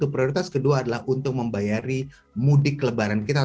prioritas kedua adalah untuk membayari mudik lebaran kita